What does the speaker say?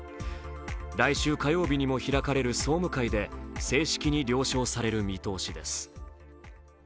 来週火曜日にも開かれる総務会で正式に了承される見通しです。